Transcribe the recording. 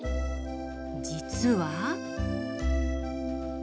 実は？